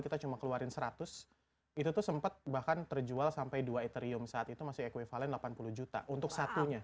kita cuma keluarin seratus itu tuh sempat bahkan terjual sampai dua eterium saat itu masih equivalen delapan puluh juta untuk satunya